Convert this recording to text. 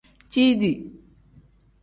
Ciidi.